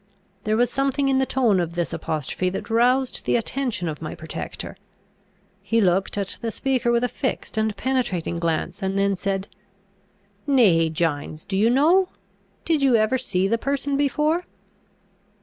There was something in the tone of this apostrophe that roused the attention of my protector. He looked at the speaker with a fixed and penetrating glance, and then said, "Nay, Gines, do you know? Did you ever see the person before?"